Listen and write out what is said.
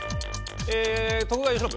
徳川慶喜。